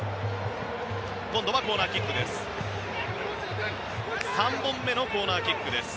今度はコーナーキックです。